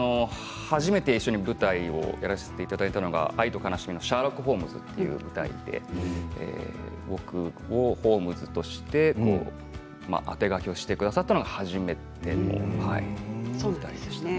初めて一緒に舞台をやらせていただいたのは「愛と哀しみのシャーロック・ホームズ」で僕をホームズとして当て書きをしてくださったのが初めてです。